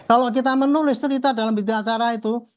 kalau kita menulis cerita dalam berita acara itu